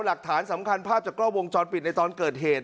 หลักฐานสำคัญภาพจากกล้องวงจรปิดในตอนเกิดเหตุ